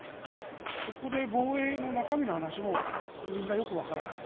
そこで防衛の中身の話もみんなよくわからない。